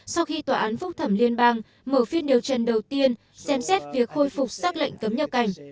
sau khi tòa án phúc thẩm liên bang mở phiên điều trần đầu tiên xem xét việc khôi phục xác lệnh cấm nhập cảnh